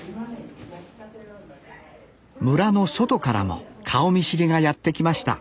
村の外からも顔見知りがやって来ました